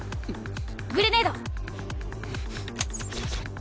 グレネード！